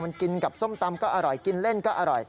มันกินกับส้มตำก็อร่อยกินเล่นก็อร่อย